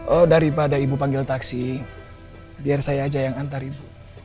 oh daripada ibu panggil taksi biar saya aja yang antar ibu